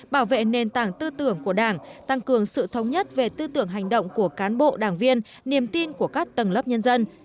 bảo vệ nền tảng tư tưởng của đảng tăng cường sự thống nhất về tư tưởng hành động của cán bộ đảng viên niềm tin của các tầng lớp nhân dân